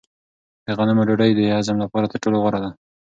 د غنمو ډوډۍ د هضم لپاره تر ټولو غوره ده.